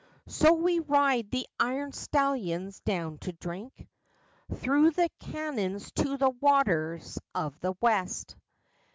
] So we ride the iron stallions down to drink, Through the cañons to the waters of the West!